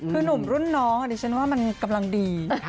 คือหนุ่มรุ่นน้องดิฉันว่ามันกำลังดี